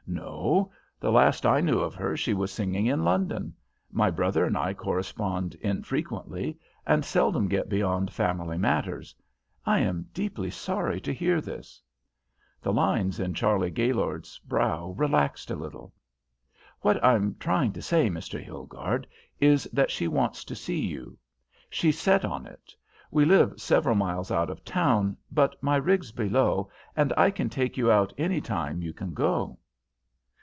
"No. The last I knew of her she was singing in London. My brother and I correspond infrequently, and seldom get beyond family matters. I am deeply sorry to hear this." The lines in Charley Gaylord's brow relaxed a little. "What I'm trying to say, Mr. Hilgarde, is that she wants to see you. She's set on it. We live several miles out of town, but my rig's below, and I can take you out any time you can go."